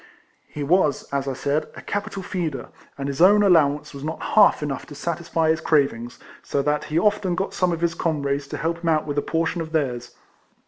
He was, as I said, a capital feeder; and his own allow ance was not half enough to satisfy his crav ings, so that he often got some of his com rades to help him out with a portion of theirs.